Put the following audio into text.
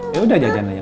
yaudah jajan aja